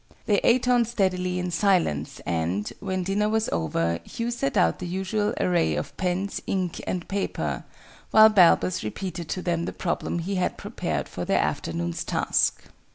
They ate on steadily in silence, and, when dinner was over, Hugh set out the usual array of pens, ink, and paper, while Balbus repeated to them the problem he had prepared for their afternoon's task.